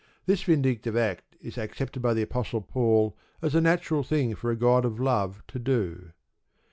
This vindictive act is accepted by the Apostle Paul as a natural thing for a God of Love to do.